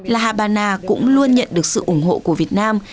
la habana cũng luôn nhận được sự ủng hộ của việt nam